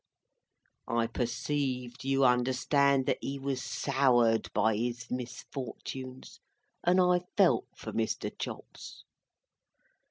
I perceived, you understand, that he was soured by his misfortunes, and I felt for Mr. Chops.